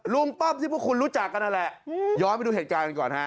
ป้อมที่พวกคุณรู้จักกันนั่นแหละย้อนไปดูเหตุการณ์กันก่อนฮะ